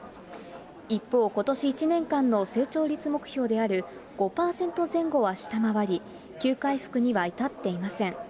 一方、ことし１年間の成長率目標である５％前後は下回り、きゅう回復には至っていません。